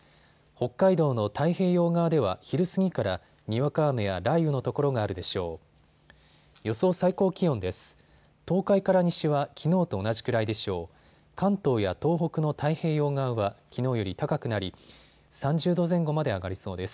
北海道の太平洋側では昼過ぎからにわか雨や雷雨の所があるでしょう。